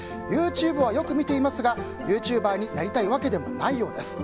ＹｏｕＴｕｂｅはよく見ていますがユーチューバーになりたいわけでもないようです。